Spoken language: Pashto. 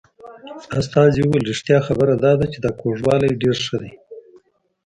استازي وویل رښتیا خبره دا ده چې دا کوږوالی ډېر ښه دی.